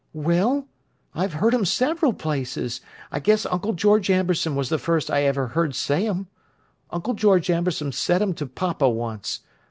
"Well, I've heard 'em several places. I guess Uncle George Amberson was the first I ever heard say 'em. Uncle George Amberson said 'em to papa once.